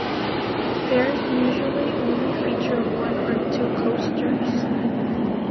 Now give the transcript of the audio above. Fairs usually only feature one or two coasters.